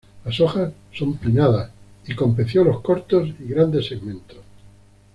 Las hojas son pinnadas y con pecíolos cortos y grandes segmentos.